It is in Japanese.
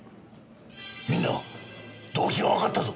みんな動機がわかったぞ！